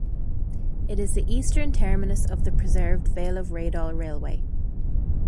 It is the eastern terminus of the preserved Vale of Rheidol Railway.